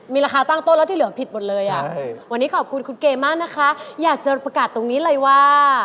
มีราคาตั้งต้นแล้วที่เหลือผิดหมดเลยอ่ะวันนี้ขอบคุณคุณเกย์มากนะคะอยากจะประกาศตรงนี้เลยว่า